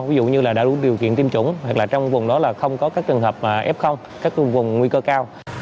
ví dụ như là đã đủ điều kiện tiêm chủng hoặc là trong vùng đó là không có các trường hợp f các vùng nguy cơ cao